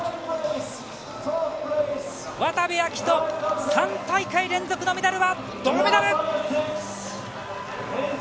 渡部暁斗３大会連続のメダルは銅メダル！